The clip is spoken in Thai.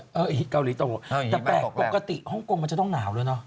เกาหลีโตแต่แปลกปกติฮ่องกงมันจะต้องหนาวแล้วเนอะ